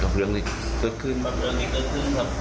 กับเรื่องนี้เกิดขึ้นครับ